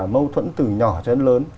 mâu thuẫn từ nhỏ đến lớn